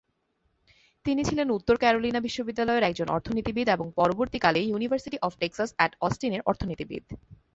তিনি ছিলেন উত্তর ক্যারোলিনা বিশ্ববিদ্যালয়ের একজন অর্থনীতিবিদ এবং পরবর্তীকালে ইউনিভার্সিটি অব টেক্সাস অ্যাট অস্টিনের অর্থনীতিবিদ।